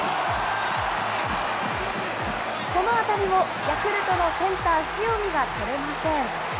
この当たりをヤクルトのセンター、塩見が捕れません。